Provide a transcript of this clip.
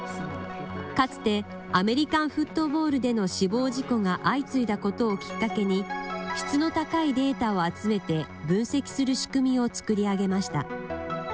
かつて、アメリカンフットボールでの死亡事故が相次いだことをきっかけに、質の高いデータを集めて分析する仕組みを作り上げました。